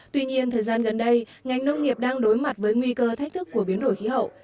tuy nhiên thời gian gần đây ngành nông nghiệp đang đối mặt với nguy cơ thách thức của biến đổi khí hậu